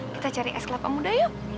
kita cari es kelapa muda yuk